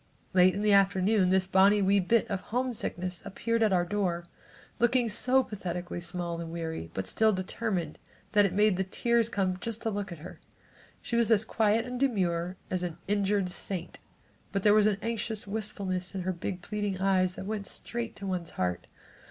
Late in the afternoon this bonnie wee bit of homesickness appeared at our door, looking so pathetically small and weary, but still determined, that it made the tears come just to look at her. She was as quiet and demure as an injured saint but there was an anxious wistfulness in her big pleading eyes that went straight to one's heart.